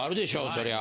そりゃ。